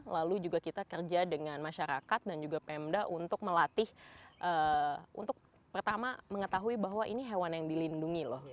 lalu juga kita kerja dengan masyarakat dan juga pmda untuk melatih untuk pertama mengetahui bahwa ini hewan yang dilindungi loh